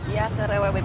iya ke rwb b sembilan